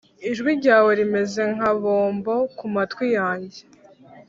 ijwi ryawe rimeze nka bombo kumatwi yanjye.